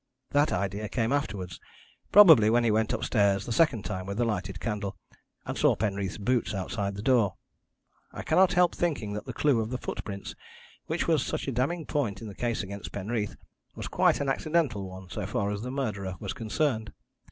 That idea came afterwards, probably when he went upstairs the second time with the lighted candle, and saw Penreath's boots outside the door. I cannot help thinking that the clue of the footprints, which was such a damning point in the case against Penreath, was quite an accidental one so far as the murderer was concerned.